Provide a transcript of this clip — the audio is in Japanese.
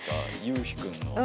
ゆうひくんの。